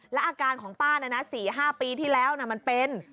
แล้วอาการของป้า๔๕ปีที่แล้วมันเป็น